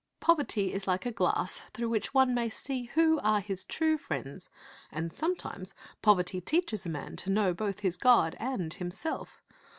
Poverty is like a glass through which one may see who are his true friends ; and sometimes poverty teaches a man to know both his God and himself.